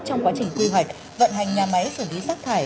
trong quá trình quy hoạch vận hành nhà máy xử lý rác thải